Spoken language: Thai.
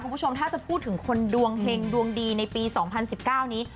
คุณผู้ชมถ้าจะพูดถึงคนดวงเฮงดวงดีในปี๒๐๑๙นี้